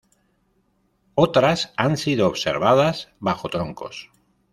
Otras han sido observadas bajo troncos.